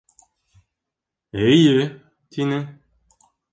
— Эйе, — тине.